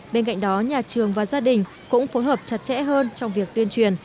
bên cạnh đó nhà trường và gia đình cũng phối hợp chặt chẽ hơn trong việc tuyên truyền